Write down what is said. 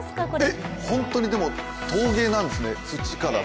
えっ、本当に陶芸なんですね、土から。